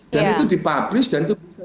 dan itu dipublis dan itu bisa